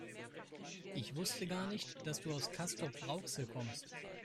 Ich wusste gar nicht, dass du aus Castrop-Rauxel kommst